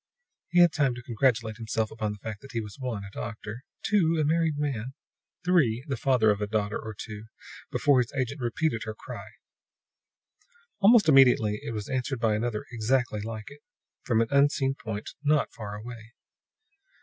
He had time to congratulate himself upon the fact that he was (1) a doctor, (2) a married man, (3) the father of a daughter or two, before his agent repeated her cry. Almost immediately it was answered by another exactly like it, from an unseen point not far away.